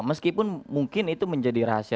meskipun mungkin itu menjadi rahasia